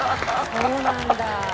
「そうなんだ」